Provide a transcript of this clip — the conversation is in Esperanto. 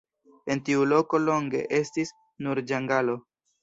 En tiu loko longe estis nur ĝangalo.